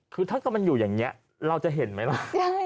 คือถ้าเกิดมันอยู่อย่างนี้เราจะเห็นไหมล่ะ